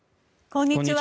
こんにちは。